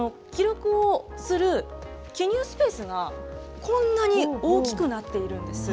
この記録をする記入スペースがこんなに大きくなっているんです。